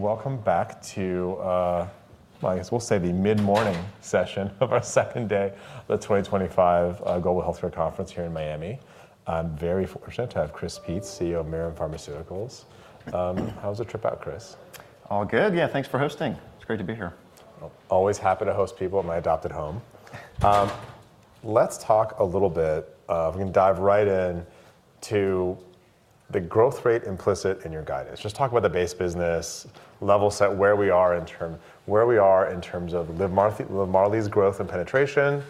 Welcome back to, I guess we'll say the mid-morning session of our second day of the 2025 Global Healthcare conference here in Miami. I'm very fortunate to have Chris Peetz, CEO of Mirum Pharmaceuticals. How was the trip out, Chris? All good. Yeah, thanks for hosting. It's great to be here. Always happy to host people at my adopted home. Let's talk a little bit. We can dive right into the growth rate implicit in your guidance. Just talk about the base business level set, where we are in terms of LIVMARLI's growth and penetration,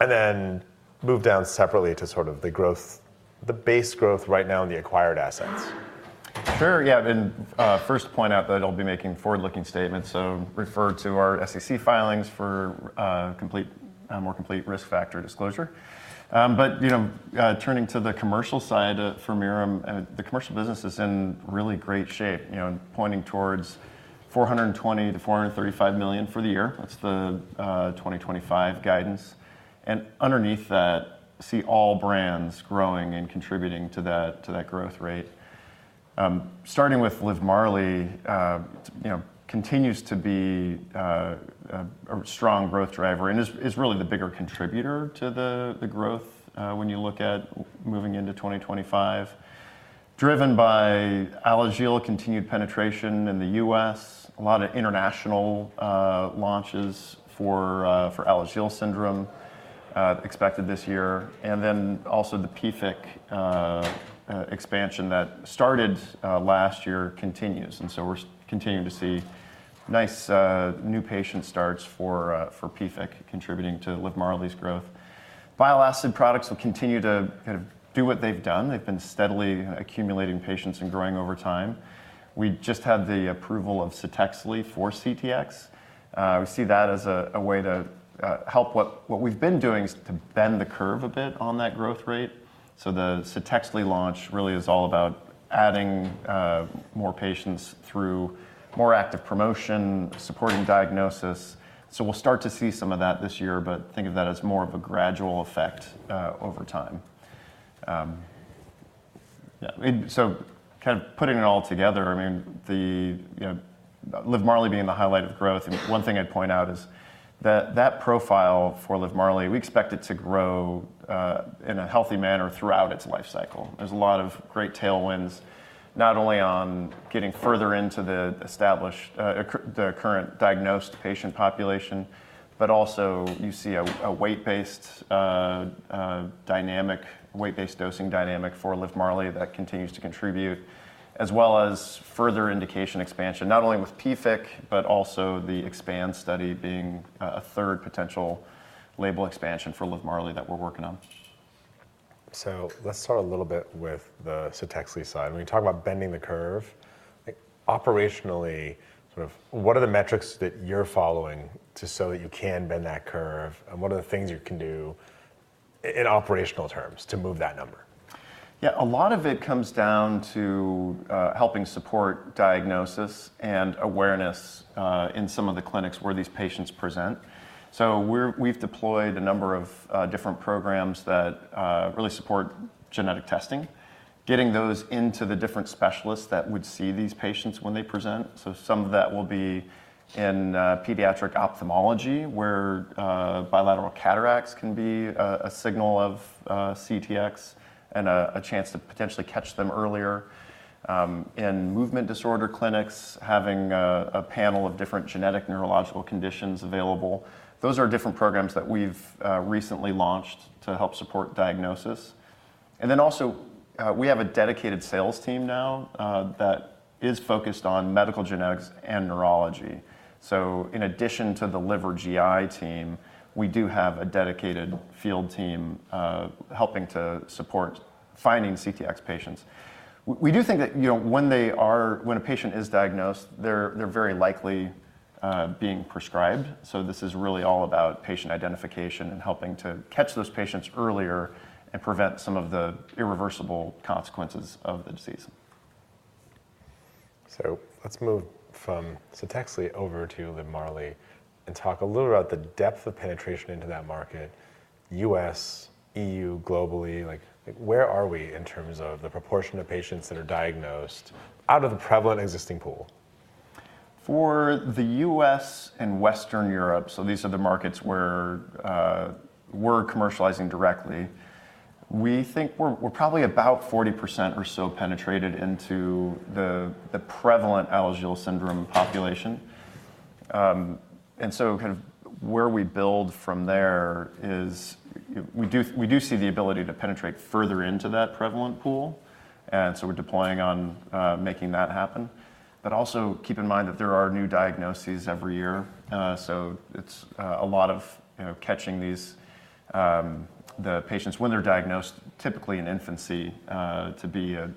and then move down separately to sort of the growth, the base growth right now in the acquired assets. Sure. Yeah. First point out that I'll be making forward-looking statements, so refer to our SEC filings for more complete risk factor disclosure. Turning to the commercial side for Mirum, the commercial business is in really great shape, pointing towards $420 million-$435 million for the year. That's the 2025 guidance. Underneath that, see all brands growing and contributing to that growth rate. Starting with LIVMARLI, continues to be a strong growth driver and is really the bigger contributor to the growth when you look at moving into 2025, driven by Alagille continued penetration in the U.S., a lot of international launches for Alagille syndrome expected this year. Also the PFIC expansion that started last year continues. We're continuing to see nice new patient starts for PFIC contributing to LIVMARLI's growth. Bile acid products will continue to do what they've done. They've been steadily accumulating patients and growing over time. We just had the approval of CTEXLI for CTX. We see that as a way to help what we've been doing is to bend the curve a bit on that growth rate. The CTEXLI launch really is all about adding more patients through more active promotion, supporting diagnosis. We'll start to see some of that this year, but think of that as more of a gradual effect over time. Kind of putting it all together, I mean, LIVMARLI being the highlight of growth, one thing I'd point out is that that profile for LIVMARLI, we expect it to grow in a healthy manner throughout its life cycle. There's a lot of great tailwinds, not only on getting further into the current diagnosed patient population, but also you see a weight-based dynamic, weight-based dosing dynamic for LIVMARLI that continues to contribute, as well as further indication expansion, not only with PFIC, but also the EXPAND study being a third potential label expansion for LIVMARLI that we're working on. Let's start a little bit with the CTEXLI side. When you talk about bending the curve, operationally, what are the metrics that you're following so that you can bend that curve? What are the things you can do in operational terms to move that number? Yeah, a lot of it comes down to helping support diagnosis and awareness in some of the clinics where these patients present. We have deployed a number of different programs that really support genetic testing, getting those into the different specialists that would see these patients when they present. Some of that will be in pediatric ophthalmology, where bilateral cataracts can be a signal of CTX and a chance to potentially catch them earlier. In movement disorder clinics, having a panel of different genetic neurological conditions available. Those are different programs that we have recently launched to help support diagnosis. We also have a dedicated sales team now that is focused on medical genetics and neurology. In addition to the liver GI team, we do have a dedicated field team helping to support finding CTX patients. We do think that when a patient is diagnosed, they're very likely being prescribed. This is really all about patient identification and helping to catch those patients earlier and prevent some of the irreversible consequences of the disease. Let's move from CTEXLI over to LIVMARLI and talk a little about the depth of penetration into that market, U.S., EU, globally. Where are we in terms of the proportion of patients that are diagnosed out of the prevalent existing pool? For the U.S. and Western Europe, so these are the markets where we're commercializing directly, we think we're probably about 40% or so penetrated into the prevalent Alagille syndrome population. Kind of where we build from there is we do see the ability to penetrate further into that prevalent pool. We're deploying on making that happen. Also keep in mind that there are new diagnoses every year. It's a lot of catching the patients when they're diagnosed, typically in infancy, to be a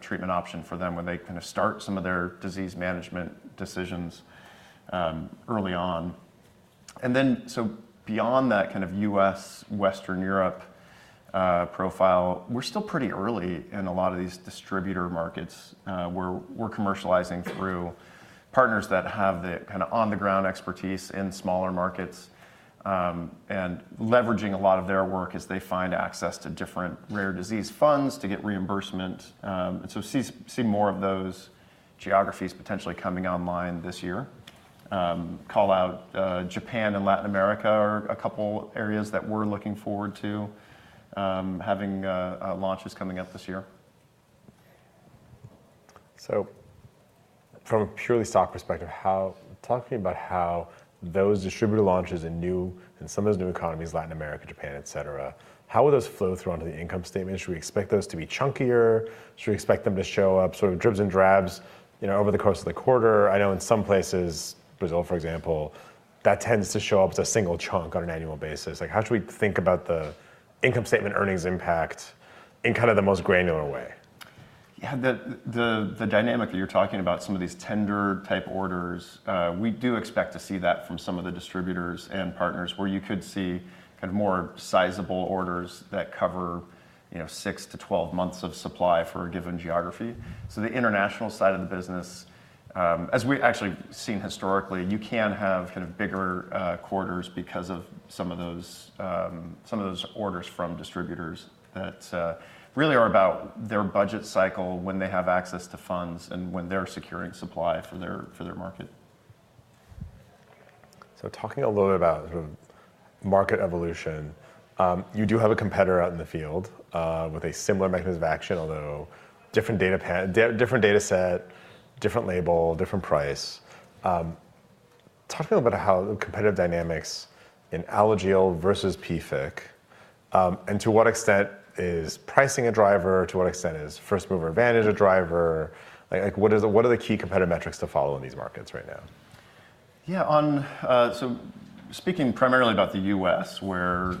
treatment option for them when they kind of start some of their disease management decisions early on. Beyond that kind of U.S., Western Europe profile, we're still pretty early in a lot of these distributor markets. We're commercializing through partners that have the kind of on-the-ground expertise in smaller markets and leveraging a lot of their work as they find access to different rare disease funds to get reimbursement. You see more of those geographies potentially coming online this year. Call out Japan and Latin America are a couple areas that we're looking forward to having launches coming up this year. From a purely stock perspective, talk to me about how those distributor launches in some of those new economies, Latin America, Japan, et cetera, how will those flow through onto the income statements? Should we expect those to be chunkier? Should we expect them to show up sort of dribs and drabs over the course of the quarter? I know in some places, Brazil, for example, that tends to show up as a single chunk on an annual basis. How should we think about the income statement earnings impact in kind of the most granular way? Yeah, the dynamic that you're talking about, some of these tender type orders, we do expect to see that from some of the distributors and partners where you could see kind of more sizable orders that cover 6-12 months of supply for a given geography. The international side of the business, as we've actually seen historically, you can have kind of bigger quarters because of some of those orders from distributors that really are about their budget cycle when they have access to funds and when they're securing supply for their market. Talking a little bit about market evolution, you do have a competitor out in the field with a similar mechanism of action, although different data set, different label, different price. Talk to me a little bit about how the competitive dynamics in Alagille versus PFIC and to what extent is pricing a driver, to what extent is first mover advantage a driver? What are the key competitive metrics to follow in these markets right now? Yeah, so speaking primarily about the U.S., where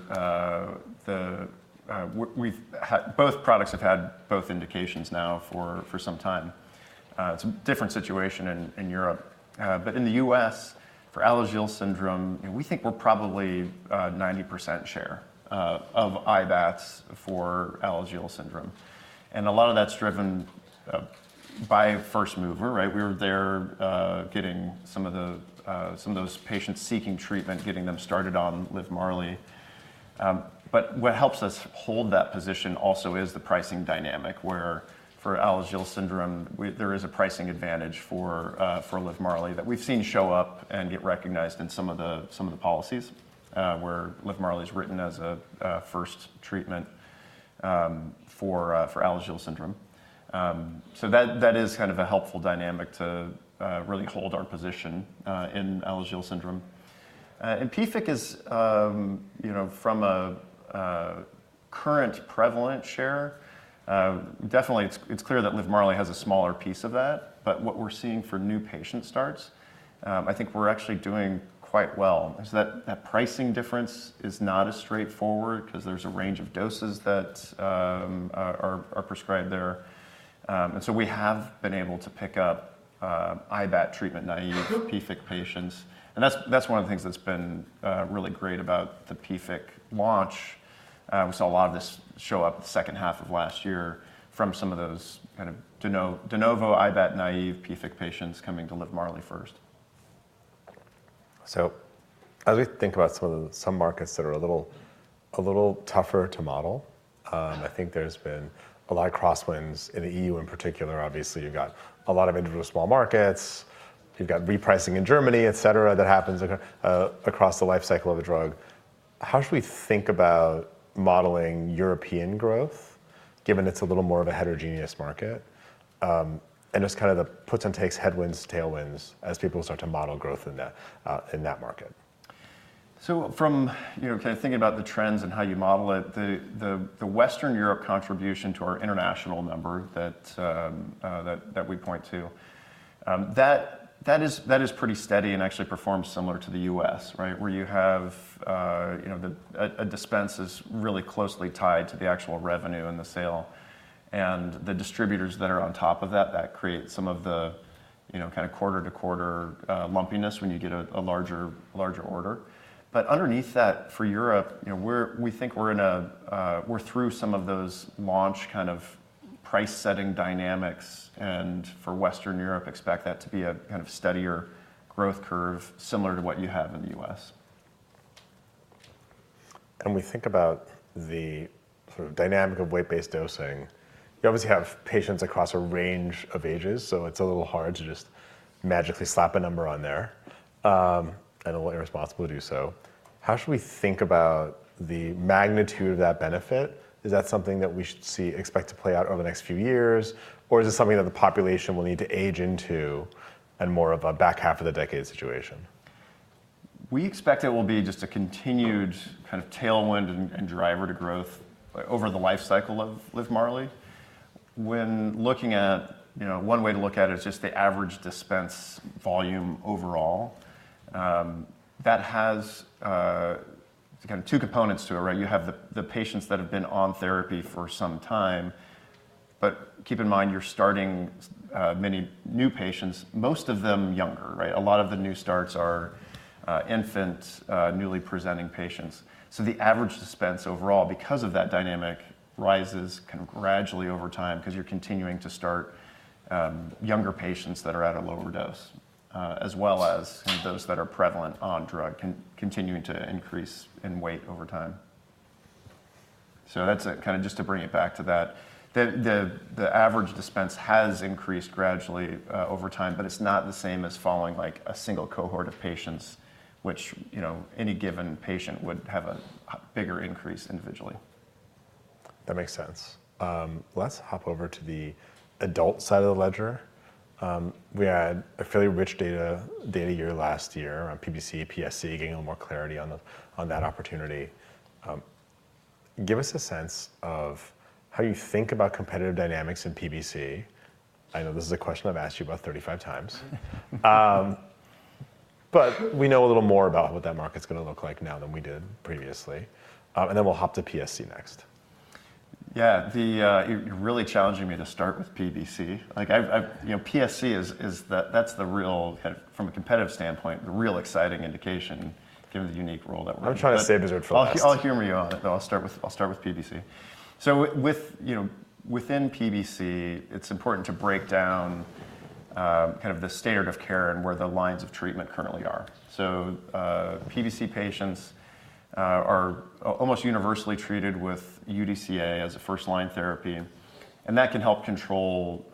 both products have had both indications now for some time, it's a different situation in Europe. In the U.S., for Alagille syndrome, we think we're probably 90% share of IBATs for Alagille syndrome. A lot of that's driven by first mover. We were there getting some of those patients seeking treatment, getting them started on LIVMARLI. What helps us hold that position also is the pricing dynamic, where for Alagille syndrome, there is a pricing advantage for LIVMARLI that we've seen show up and get recognized in some of the policies where LIVMARLI is written as a first treatment for Alagille syndrome. That is kind of a helpful dynamic to really hold our position in Alagille syndrome. PFIC is from a current prevalent share. Definitely, it's clear that LIVMARLI has a smaller piece of that. What we're seeing for new patient starts, I think we're actually doing quite well. That pricing difference is not as straightforward because there's a range of doses that are prescribed there. We have been able to pick up IBAT treatment naive PFIC patients. That's one of the things that's been really great about the PFIC launch. We saw a lot of this show up the second half of last year from some of those kind of de novo IBAT naive PFIC patients coming to LIVMARLI first. As we think about some of the markets that are a little tougher to model, I think there's been a lot of crosswinds in the EU in particular. Obviously, you've got a lot of individual small markets. You've got repricing in Germany, et cetera, that happens across the life cycle of the drug. How should we think about modeling European growth, given it's a little more of a heterogeneous market? It's kind of the puts and takes, headwinds, tailwinds as people start to model growth in that market. From kind of thinking about the trends and how you model it, the Western Europe contribution to our international number that we point to, that is pretty steady and actually performs similar to the U.S., where you have a dispense is really closely tied to the actual revenue and the sale. The distributors that are on top of that, that creates some of the kind of quarter to quarter lumpiness when you get a larger order. Underneath that, for Europe, we think we're through some of those launch kind of price setting dynamics. For Western Europe, expect that to be a kind of steadier growth curve similar to what you have in the U.S.. We think about the sort of dynamic of weight-based dosing. You obviously have patients across a range of ages, so it's a little hard to just magically slap a number on there. A little irresponsible to do so. How should we think about the magnitude of that benefit? Is that something that we should expect to play out over the next few years, or is it something that the population will need to age into and more of a back half of the decade situation? We expect it will be just a continued kind of tailwind and driver to growth over the life cycle of LIVMARLI. When looking at one way to look at it, it's just the average dispense volume overall. That has kind of two components to it. You have the patients that have been on therapy for some time. Keep in mind, you're starting many new patients, most of them younger. A lot of the new starts are infants, newly presenting patients. The average dispense overall, because of that dynamic, rises kind of gradually over time because you're continuing to start younger patients that are at a lower dose, as well as those that are prevalent on drug, continuing to increase in weight over time. That's kind of just to bring it back to that. The average dispense has increased gradually over time, but it's not the same as following a single cohort of patients, which any given patient would have a bigger increase individually. That makes sense. Let's hop over to the adult side of the ledger. We had a fairly rich data year last year on PBC, PSC, getting a little more clarity on that opportunity. Give us a sense of how you think about competitive dynamics in PBC. I know this is a question I've asked you about 35 times. We know a little more about what that market's going to look like now than we did previously. Then we'll hop to PSC next. Yeah, you're really challenging me to start with PBC. PSC, that's the real, from a competitive standpoint, the real exciting indication, given the unique role that we're in. I'm trying to save his word for last. I'll humor you on it. I'll start with PBC. Within PBC, it's important to break down kind of the standard of care and where the lines of treatment currently are. PBC patients are almost universally treated with UDCA as a first line therapy. That can help control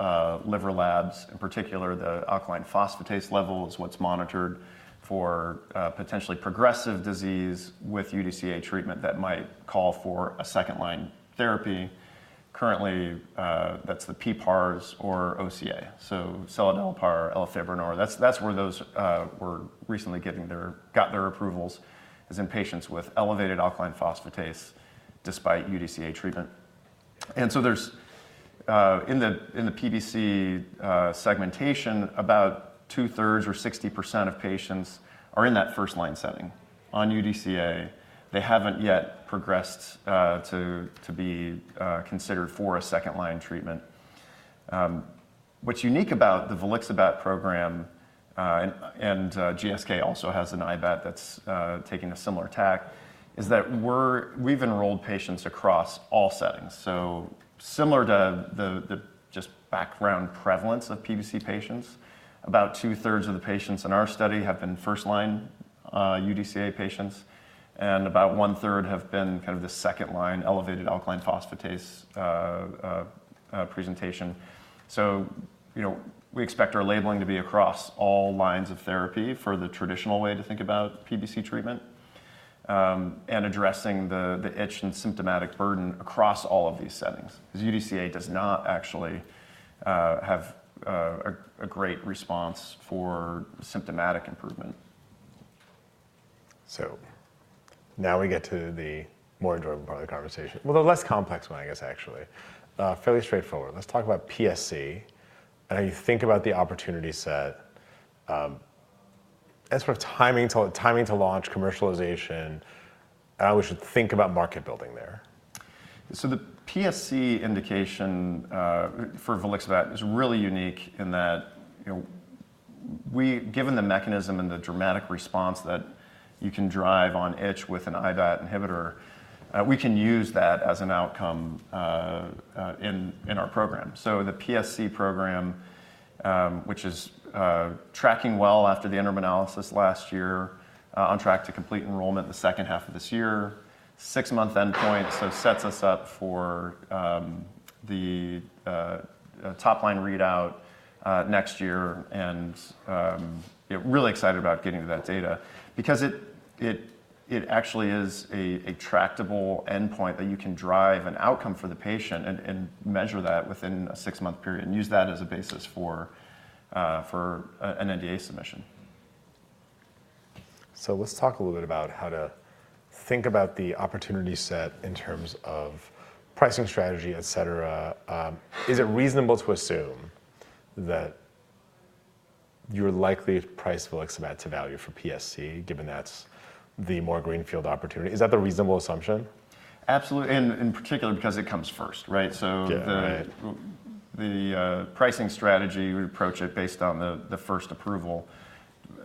liver labs, in particular, the alkaline phosphatase level is what's monitored for potentially progressive disease with UDCA treatment that might call for a second line therapy. Currently, that's the PPARs or OCA. Seladelpar, Elafibranor, that's where those were recently getting their approvals, is in patients with elevated alkaline phosphatase despite UDCA treatment. In the PBC segmentation, about two thirds or 60% of patients are in that first line setting on UDCA. They haven't yet progressed to be considered for a second line treatment. What's unique about the volixibat program, and GSK also has an IBAT that's taking a similar tack, is that we've enrolled patients across all settings. Similar to the just background prevalence of PBC patients, about two thirds of the patients in our study have been first line UDCA patients. About one third have been kind of the second line elevated alkaline phosphatase presentation. We expect our labeling to be across all lines of therapy for the traditional way to think about PBC treatment and addressing the itch and symptomatic burden across all of these settings, because UDCA does not actually have a great response for symptomatic improvement. Now we get to the more enjoyable part of the conversation. The less complex one, I guess, actually. Fairly straightforward. Let's talk about PSC and how you think about the opportunity set and sort of timing to launch, commercialization, and how we should think about market building there. The PSC indication for volixibat is really unique in that, given the mechanism and the dramatic response that you can drive on itch with an IBAT inhibitor, we can use that as an outcome in our program. The PSC program, which is tracking well after the interim analysis last year, is on track to complete enrollment the second half of this year, six month endpoint, so sets us up for the top line readout next year. I am really excited about getting to that data, because it actually is a tractable endpoint that you can drive an outcome for the patient and measure that within a six month period and use that as a basis for an NDA submission. Let's talk a little bit about how to think about the opportunity set in terms of pricing strategy, et cetera. Is it reasonable to assume that you're likely to price volixibat to value for PSC, given that's the more greenfield opportunity? Is that the reasonable assumption? Absolutely. In particular, because it comes first. The pricing strategy, we approach it based on the first approval.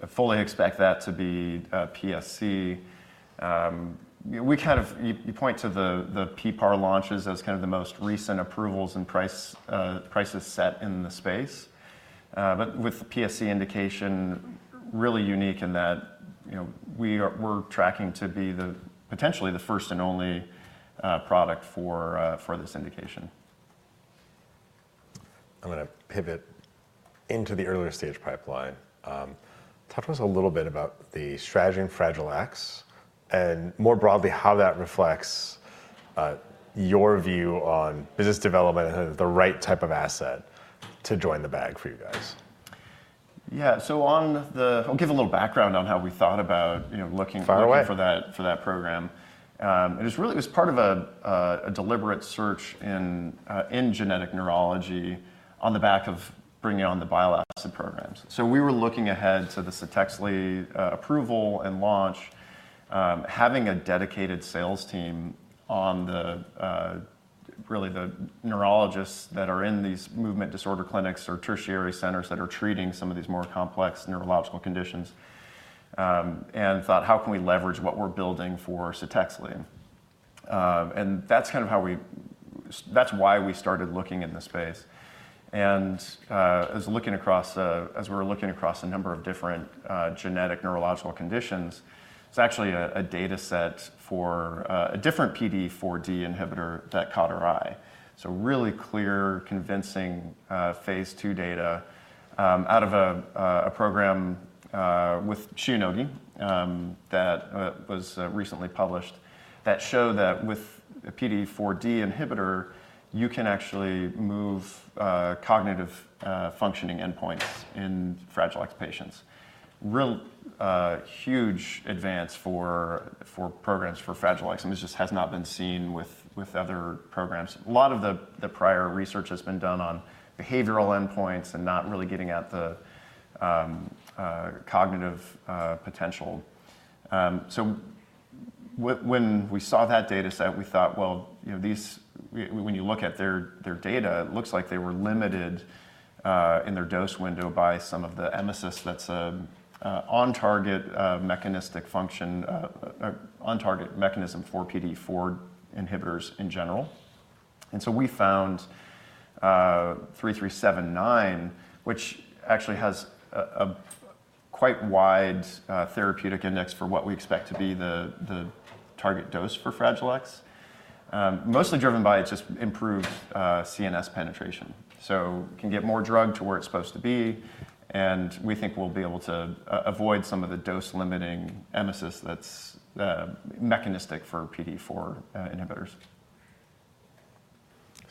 Fully expect that to be PSC. We kind of point to the PPAR launches as kind of the most recent approvals and prices set in the space. With the PSC indication, really unique in that we're tracking to be potentially the first and only product for this indication. I'm going to pivot into the earlier stage pipeline. Talk to us a little bit about the strategy and Fragile X and more broadly how that reflects your view on business development and the right type of asset to join the bag for you guys. Yeah, so I'll give a little background on how we thought about looking for that program. It was part of a deliberate search in genetic neurology on the back of bringing on the bile acid programs. We were looking ahead to the CTEXLI approval and launch, having a dedicated sales team on really the neurologists that are in these movement disorder clinics or tertiary centers that are treating some of these more complex neurological conditions, and thought, how can we leverage what we're building for CTEXLI? That's kind of how we, that's why we started looking in the space. As we were looking across a number of different genetic neurological conditions, it's actually a data set for a different PDE4D inhibitor that caught our eye. Really clear, convincing phase two data out of a program with Shionogi that was recently published that showed that with a PDE4D inhibitor, you can actually move cognitive functioning endpoints in Fragile X patients. Real huge advance for programs for Fragile X. This just has not been seen with other programs. A lot of the prior research has been done on behavioral endpoints and not really getting at the cognitive potential. When we saw that data set, we thought, you know, when you look at their data, it looks like they were limited in their dose window by some of the emesis. That's an on-target mechanism for PDE4 inhibitors in general. We found 3379, which actually has a quite wide therapeutic index for what we expect to be the target dose for Fragile X, mostly driven by just improved CNS penetration. It can get more drug to where it's supposed to be. We think we'll be able to avoid some of the dose limiting emesis that's mechanistic for PDE4D inhibitors.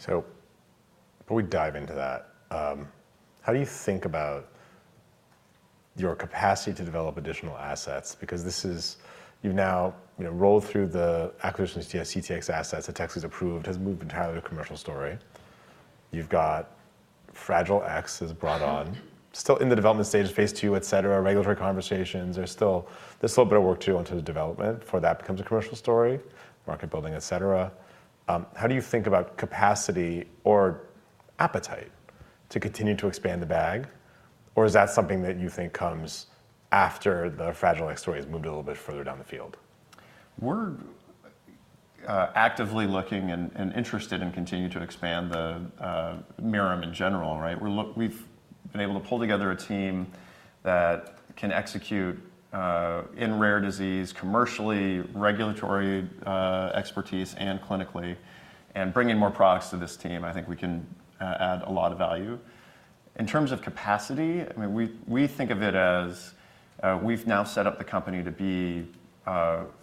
Before we dive into that, how do you think about your capacity to develop additional assets? Because you've now rolled through the acquisition of CTX assets. CTEXLI's approved, has moved entirely to commercial story. You've got Fragile X is brought on, still in the development stage, phase two, et cetera, regulatory conversations. There's still a little bit of work to do until the development before that becomes a commercial story, market building, et cetera. How do you think about capacity or appetite to continue to expand the bag? Or is that something that you think comes after the Fragile X story has moved a little bit further down the field? We're actively looking and interested in continuing to expand the Mirum in general. We've been able to pull together a team that can execute in rare disease, commercially, regulatory expertise, and clinically. Bringing more products to this team, I think we can add a lot of value. In terms of capacity, we think of it as we've now set up the company to be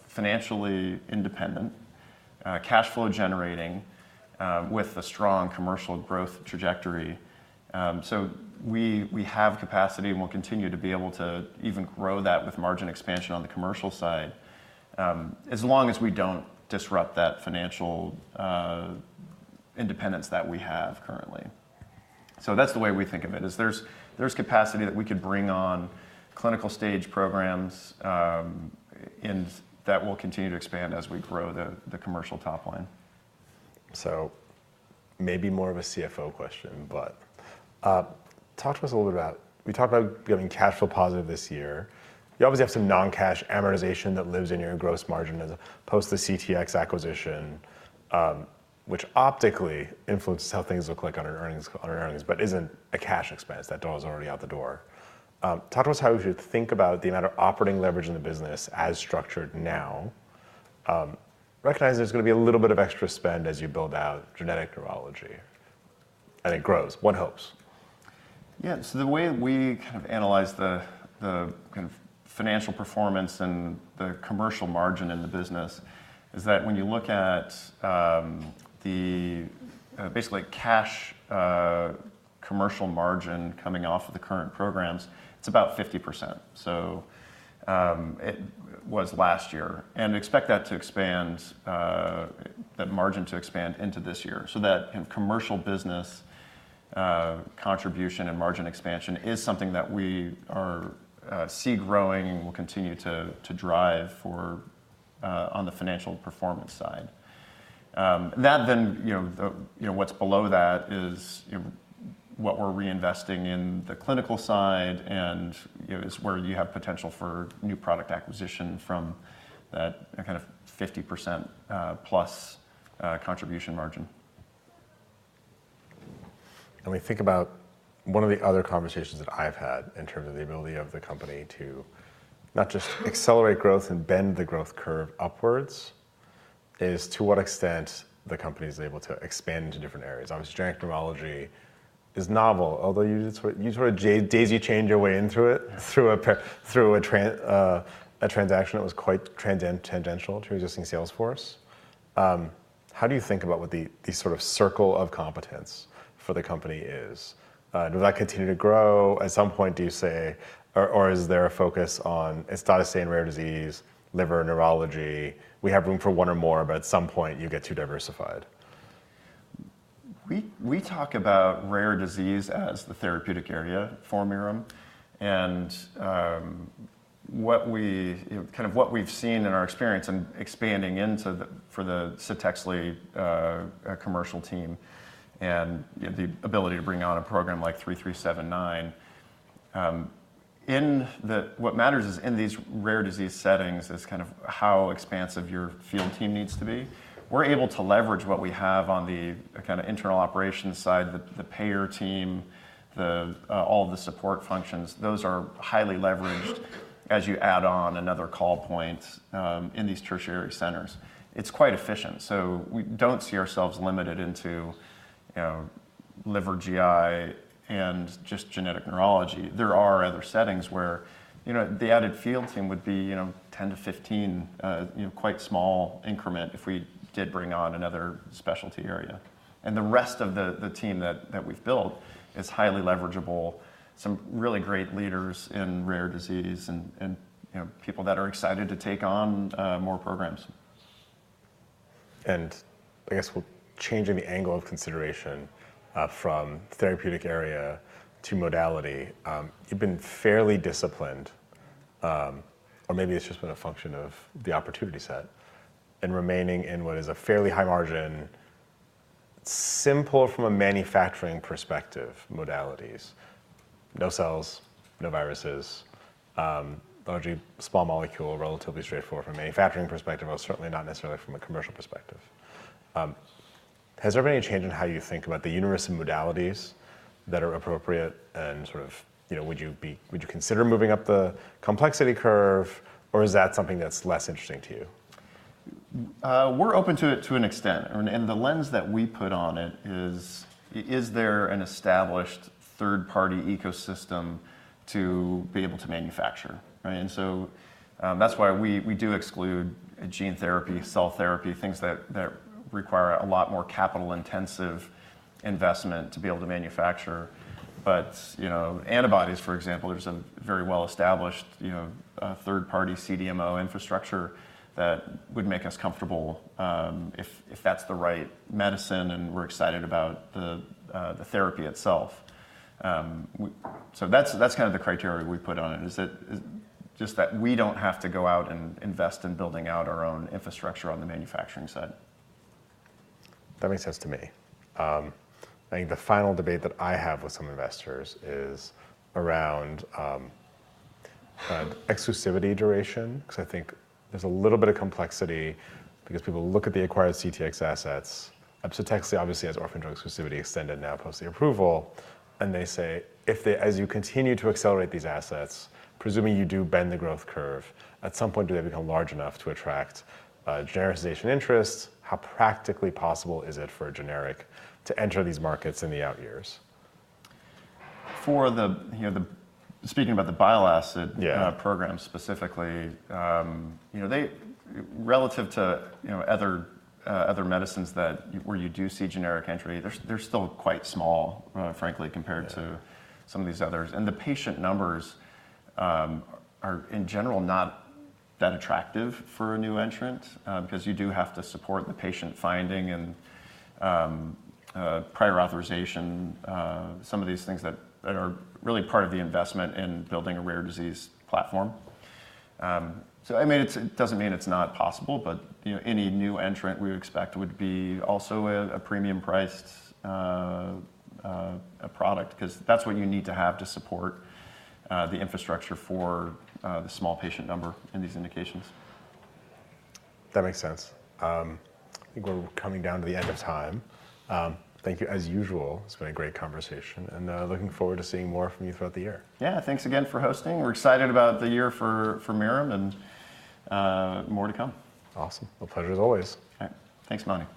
financially independent, cash flow generating with a strong commercial growth trajectory. We have capacity and we'll continue to be able to even grow that with margin expansion on the commercial side, as long as we don't disrupt that financial independence that we have currently. That's the way we think of it, is there's capacity that we could bring on clinical stage programs that will continue to expand as we grow the commercial top line. Maybe more of a CFO question, but talk to us a little bit about we talked about becoming cash flow positive this year. You obviously have some non-cash amortization that lives in your gross margin post the CTX acquisition, which optically influences how things look like on our earnings, but isn't a cash expense. That dollar is already out the door. Talk to us how you should think about the amount of operating leverage in the business as structured now, recognizing there's going to be a little bit of extra spend as you build out genetic neurology. And it grows, one hopes. Yeah, so the way we kind of analyze the financial performance and the commercial margin in the business is that when you look at the basically cash commercial margin coming off of the current programs, it's about 50%. It was last year. Expect that to expand, that margin to expand into this year. That commercial business contribution and margin expansion is something that we see growing and will continue to drive on the financial performance side. What's below that is what we're reinvesting in the clinical side and is where you have potential for new product acquisition from that kind of 50%+ contribution margin. We think about one of the other conversations that I've had in terms of the ability of the company to not just accelerate growth and bend the growth curve upwards, is to what extent the company is able to expand into different areas. Obviously, genetic neurology is novel, although you sort of daisy chained your way into it through a transaction that was quite tangential to existing salesforce. How do you think about what the sort of circle of competence for the company is? Will that continue to grow? At some point, do you say, or is there a focus on it's not the same rare disease, liver neurology, we have room for one or more, but at some point you get too diversified? We talk about rare disease as the therapeutic area for Mirum. What we've seen in our experience and expanding into for the CTEXLI commercial team and the ability to bring on a program like 3379, what matters in these rare disease settings is kind of how expansive your field team needs to be. We're able to leverage what we have on the internal operations side, the payer team, all of the support functions. Those are highly leveraged as you add on another call point in these tertiary centers. It's quite efficient. We don't see ourselves limited to liver GI and just genetic neurology. There are other settings where the added field team would be 10-15, quite small increment if we did bring on another specialty area. The rest of the team that we've built is highly leverageable, some really great leaders in rare disease and people that are excited to take on more programs. I guess changing the angle of consideration from therapeutic area to modality, you've been fairly disciplined, or maybe it's just been a function of the opportunity set, and remaining in what is a fairly high margin, simple from a manufacturing perspective modalities, no cells, no viruses, largely small molecule, relatively straightforward from a manufacturing perspective, but certainly not necessarily from a commercial perspective. Has there been any change in how you think about the universe of modalities that are appropriate? And sort of would you consider moving up the complexity curve, or is that something that's less interesting to you? We're open to it to an extent. The lens that we put on it is, is there an established third-party ecosystem to be able to manufacture? That's why we do exclude gene therapy, cell therapy, things that require a lot more capital-intensive investment to be able to manufacture. Antibodies, for example, there's a very well-established third-party CDMO infrastructure that would make us comfortable if that's the right medicine and we're excited about the therapy itself. That's kind of the criteria we put on it, just that we don't have to go out and invest in building out our own infrastructure on the manufacturing side. That makes sense to me. I think the final debate that I have with some investors is around exclusivity duration, because I think there's a little bit of complexity, because people look at the acquired CTX assets. CTEXLI obviously has orphan drug exclusivity extended now post the approval. And they say, as you continue to accelerate these assets, presuming you do bend the growth curve, at some point, do they become large enough to attract genericization interest? How practically possible is it for a generic to enter these markets in the out years? Speaking about the bile acid program specifically, relative to other medicines where you do see generic entry, they're still quite small, frankly, compared to some of these others. The patient numbers are in general not that attractive for a new entrant because you do have to support the patient finding and prior authorization, some of these things that are really part of the investment in building a rare disease platform. It does not mean it's not possible, but any new entrant we expect would be also a premium-priced product because that's what you need to have to support the infrastructure for the small patient number in these indications. That makes sense. I think we're coming down to the end of time. Thank you, as usual. It's been a great conversation. Looking forward to seeing more from you throughout the year. Yeah, thanks again for hosting. We're excited about the year for Mirum and more to come. Awesome. Pleasure as always. Thanks, Mani.